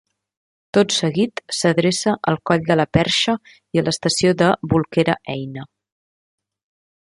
Tot seguit s'adreça al Coll de la Perxa i a l'Estació de Bolquera-Eina.